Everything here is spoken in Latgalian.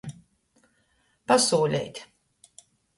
Pasūleit.